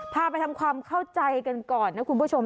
พาไปทำความเข้าใจกันก่อนนะคุณผู้ชม